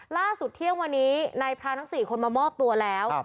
ล่าสุดเที่ยงวันนี้นายพระทั้ง๔คนมามอบตัวแล้ว